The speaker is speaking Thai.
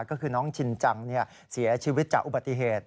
ก็คือน้องชินจังเสียชีวิตจากอุบัติเหตุ